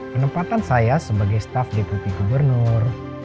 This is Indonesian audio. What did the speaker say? penempatan saya sebagai staff deputi gubernur